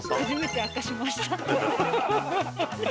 ハハハハ！